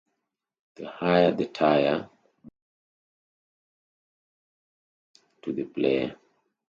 The higher the tier, the more "shortcuts" are available to the player.